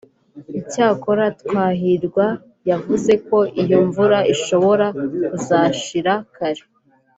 Icyakora Twahirwa yavuze ko iyo mvura ishobora kuzashira kare